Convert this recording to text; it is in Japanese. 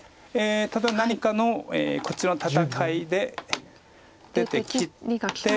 例えば何かのこちらの戦いで出て切って。